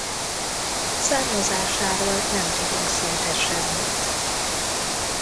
Származásáról nem tudunk szinte semmit.